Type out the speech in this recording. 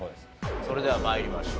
それでは参りましょう。